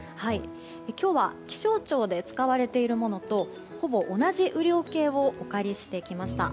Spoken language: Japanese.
今日は気象庁で使われているものとほぼ同じ雨量計をお借りしてきました。